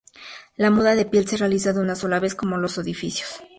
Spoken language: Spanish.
La muda de piel se realiza de una sola vez como los ofidios.